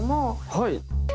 はい！